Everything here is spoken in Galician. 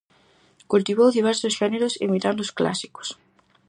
Cultivou diversos xéneros imitando os clásicos.